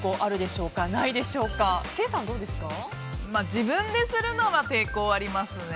自分でするのは抵抗ありますね。